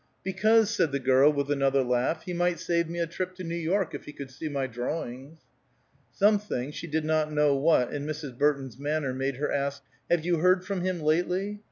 "Because," said the girl with another laugh, "he might save me a trip to New York, if he could see my drawings." Something, she did not know what, in Mrs. Burton's manner, made her ask: "Have you heard from him lately?